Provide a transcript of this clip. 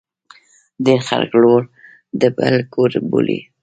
ډیر خلګ لور د بل کور بولي.